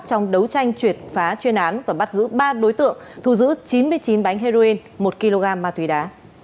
chiến tranh truyệt phá chuyên án và bắt giữ ba đối tượng thu giữ chín mươi chín bánh heroin một kg ma túy đá